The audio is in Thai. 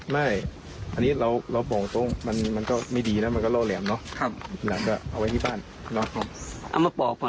มีหลังเถอะมีแต่มันไม่เหมาะสม